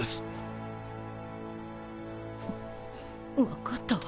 分かったわ。